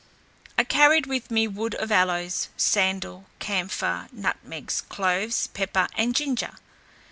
I carried with me wood of aloes, sandal, camphire, nutmegs, cloves, pepper, and ginger.